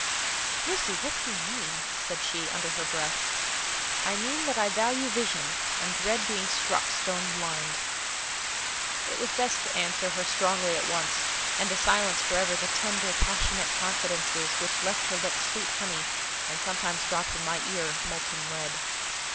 "Lucy, what do you mean?" said she, under her breath. "I mean that I value vision, and dread being struck stone blind." It was best to answer her strongly at once, and to silence for ever the tender, passionate confidences which left her lips sweet honey, and sometimes dropped in my ear—molten lead.